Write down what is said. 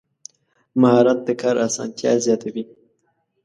مهارت د کار اسانتیا زیاتوي.